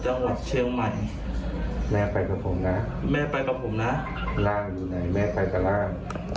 จังหวัดเชียงใหม่แม่ไปกับผมนะแม่ไปกับผมนะร่างอยู่ไหนแม่ไปกับร่าง